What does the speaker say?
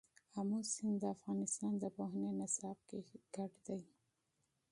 آمو سیند د افغانستان د پوهنې نصاب کې شامل دی.